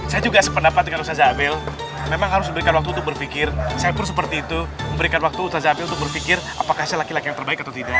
saya juga sependapat dengan ustaza abel memang harus memberikan waktu untuk berpikir saya pun seperti itu memberikan waktu ustazabet untuk berpikir apakah saya laki laki yang terbaik atau tidak